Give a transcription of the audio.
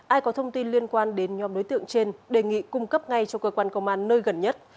ai có thông tin liên quan đến nhóm đối tượng trên đề nghị cung cấp ngay cho cơ quan công an nơi gần nhất